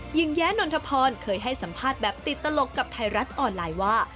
แย้นนทพรเคยให้สัมภาษณ์แบบติดตลกกับไทยรัฐออนไลน์ว่า